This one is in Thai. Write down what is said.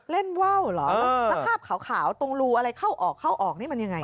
เล่นว่าก่อนเหรอภาพขาวตรงลูอะไรเข้าออกเข้าออกนี่มันยังไง